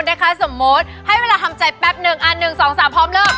สมมุติค่ะสมมุติให้เวลาทำใจแป๊บนึง๑๒๓พร้อมเริ่ม